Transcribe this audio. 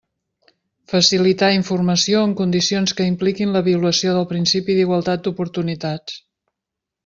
Facilitar informació en condicions que impliquin la violació del principi d'igualtat d'oportunitats.